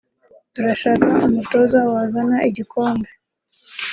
turashaka umutoza wazana igikombe